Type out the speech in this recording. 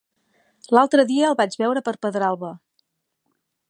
L'altre dia el vaig veure per Pedralba.